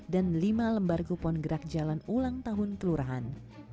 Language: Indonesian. dan lima lembar kupon gerak jalan ulang tahun kelurahan